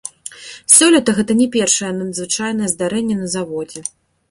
Сёлета гэта не першае надзвычайнае здарэнне на заводзе.